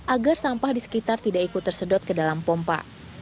agar sampah di sekitar tidak ikut tersedot ke dalam pompa